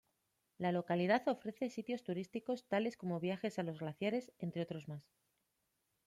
La localidad ofrece sitios turísticos tales como viajes a los glaciares, entre otros más.